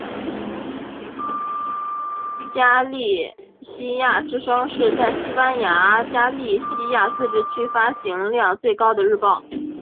加利西亚之声是在西班牙加利西亚自治区发行量最高的日报。